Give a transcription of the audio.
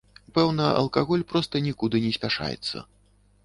Пэўна, алкаголь проста нікуды не спяшаецца.